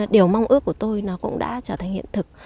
điều mong ước của tôi nó cũng đã trở thành hiện thực